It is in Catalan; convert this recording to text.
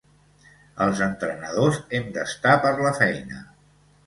Els entrenadors hem d'estar per la feina.